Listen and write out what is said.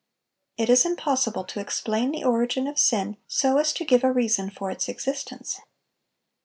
It is impossible to explain the origin of sin so as to give a reason for its existence.